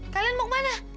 kalian mau kemana